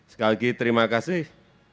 sekali lagi terima kasih